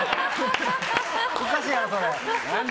おかしいやろ、それ。